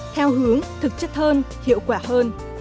theo hướng thực chất hơn hiệu quả hơn